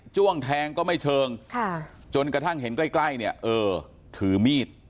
้วงแทงก็ไม่เชิงจนกระทั่งเห็นใกล้เนี่ยเออถือมีด